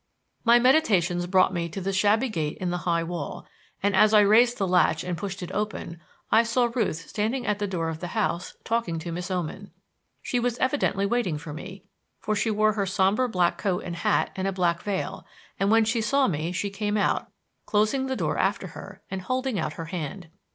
My meditations brought me to the shabby gate in the high wall, and as I raised the latch and pushed it open, I saw Ruth standing at the door of the house talking to Miss Oman. She was evidently waiting for me, for she wore her somber black coat and hat and a black veil, and when she saw me she came out, closing the door after her, and holding out her hand.